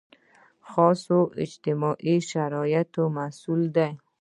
خاصو اجتماعي شرایطو محصول دی.